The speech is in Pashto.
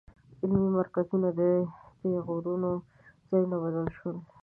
علمي مرکزونه د بېغوریو ځایونو بدل شول.